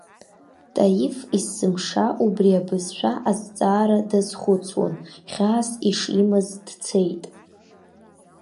Таиф есымша убри абызшәа азҵаара дазхәыцуан, хьаас ишимаз дцеит.